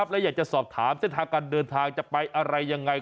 และอยากจะสอบถามเส้นทางการเดินทางจะไปอะไรยังไง